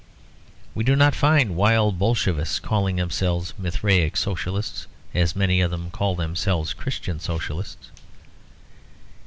We do not find wild Bolshevists calling themselves Mithraic Socialists as many of them call themselves Christian Socialists.